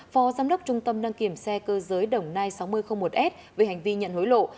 phó giám đốc trung tâm đăng kiểm xe cơ giới đồng nai sáu nghìn một s về hành vi nhận hối lộ